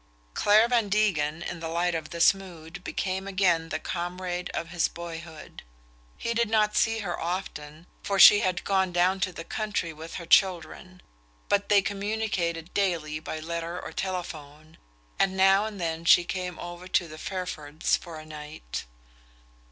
Clare Van Degen, in the light of this mood, became again the comrade of his boyhood. He did not see her often, for she had gone down to the country with her children, but they communicated daily by letter or telephone, and now and then she came over to the Fairfords' for a night.